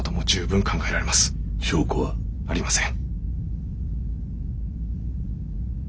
証拠は？ありません。